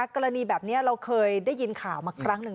กรณีแบบนี้เราเคยได้ยินข่าวมาครั้งหนึ่ง